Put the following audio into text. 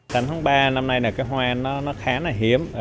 canh tháng ba năm nay là cái hoa nó khá là hiếm